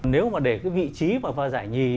nếu mà để cái vị trí vào giải nhì